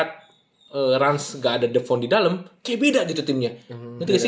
terus pengganggu manggil heo lalu dia biasa